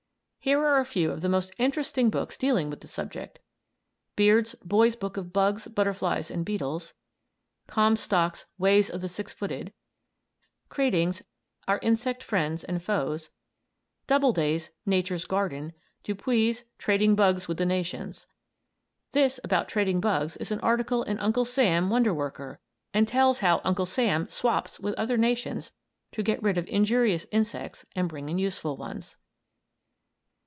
Here are a few of the most interesting books dealing with the subject: Beard's "Boy's Book of Bugs, Butterflies and Beetles"; Comstock's "Ways of the Six Footed"; Crading's "Our Insect Friends and Foes"; Doubleday's "Nature's Garden"; Du Puy's "Trading Bugs with the Nations." This about trading bugs is an article in "Uncle Sam: Wonder Worker," and tells how Uncle Sam "swaps" with other nations to get rid of injurious insects and bring in useful ones.